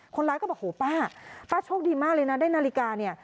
คนร้ายก็บอกโหป้าป้าโชคดีมากเลยนะได้นาฬิกาเนี่ย